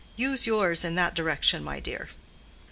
Use yours in that direction, my dear."